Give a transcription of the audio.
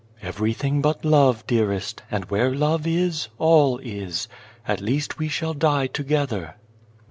" Everything but love, dearest, and where love is, all is. At least we shall die to gether."